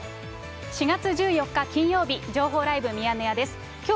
４月１４日